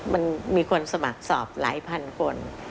มันมีคนสมัครสอบหลายพันคน